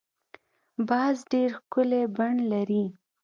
باز ډېر ښکلی بڼ لري